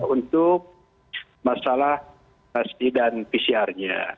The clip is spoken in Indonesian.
untuk masalah pasti dan pcr nya